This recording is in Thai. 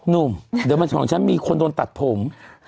หนุ่มเดี๋ยวมันของฉันมีคนโดนตัดผม